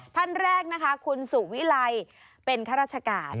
ท่านแรกนะคะคุณสุวิไลเป็นข้าราชการ